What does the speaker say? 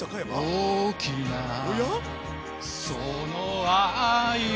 「大きなその愛よ」